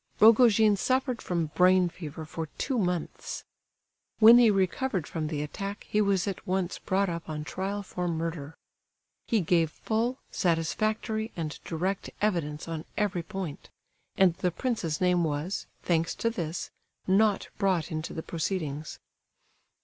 Rogojin suffered from brain fever for two months. When he recovered from the attack he was at once brought up on trial for murder. He gave full, satisfactory, and direct evidence on every point; and the prince's name was, thanks to this, not brought into the proceedings.